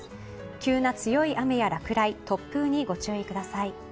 急な強い雨や落雷、突風にご注意ください。